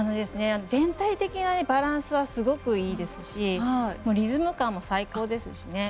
全体的なバランスはすごくいいですしリズム感も最高ですし。